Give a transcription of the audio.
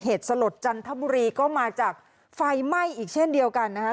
สลดจันทบุรีก็มาจากไฟไหม้อีกเช่นเดียวกันนะคะ